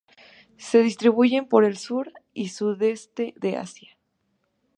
Se distribuyen por el sur y sudeste de Asia.